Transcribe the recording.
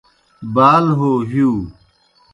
بال ہو ہِیؤ